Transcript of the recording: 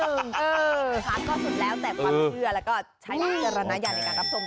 ภาพก็จุดแล้วแต่ความเมื่อแล้วก็ใช้มีกรรณะอย่างในการรับทรง